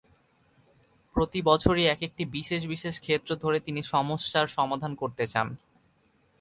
প্রতিবছরই একেকটি বিশেষ বিশেষ ক্ষেত্র ধরে তিনি সমস্যার সমাধান করতে চান।